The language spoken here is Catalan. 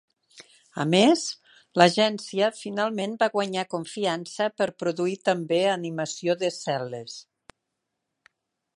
A més, l'agència finalment va guanyar confiança per produir també animació de cel·les.